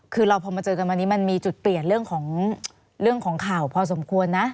คือเราพอมาเจอกันวันนี้มันมีจุดเปลี่ยนเรื่องของข่าวพอสมควรนะ